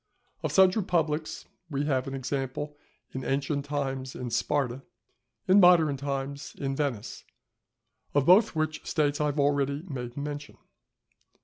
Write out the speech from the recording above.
Of such republics we have an example in ancient times in Sparta, in modern times in Venice, of both which States I have already made mention.